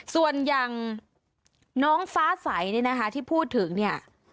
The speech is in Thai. ส่วนอย่างน้องฟ้าใสเนี่ยนะคะที่พูดถึงเนี่ย